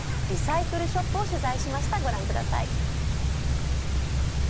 リサイクルショップを取材しました。